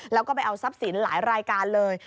แล้วก็ไปเอาทรัพย์สินหลายรายการเลย